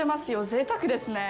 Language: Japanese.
ぜいたくですね。